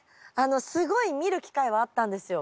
すごい見る機会はあったんですよ。